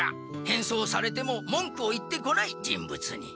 変装されても文句を言ってこない人物に。